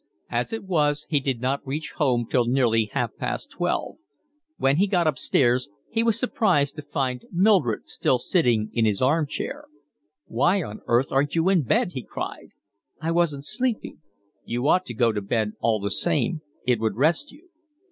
As it was he did not reach home till nearly half past twelve. When he got upstairs he was surprised to find Mildred still sitting in his arm chair. "Why on earth aren't you in bed?" he cried. "I wasn't sleepy." "You ought to go to bed all the same. It would rest you."